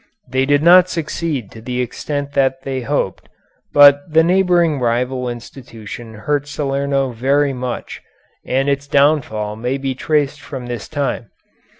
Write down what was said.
They did not succeed to the extent that they hoped, but the neighboring rival institution hurt Salerno very much, and its downfall may be traced from this time.